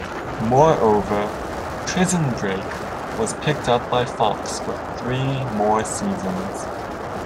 Moreover, "Prison Break" was picked up by Fox for three more seasons.